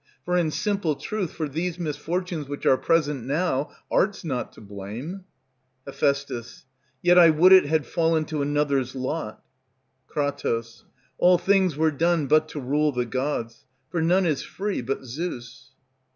for in simple truth, for these misfortunes Which are present now Art's not to blame. Heph. Yet I would 't had fallen to another's lot. Kr. All things were done but to rule the gods, For none is free but Zeus.